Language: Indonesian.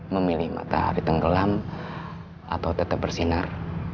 memilih matahari tenggelam atau tetap bersinar